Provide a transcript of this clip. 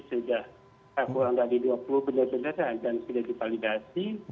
sudah kurang dari dua puluh benar benar dan sudah divalidasi